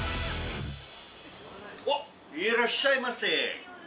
おっ、いらっしゃいませ。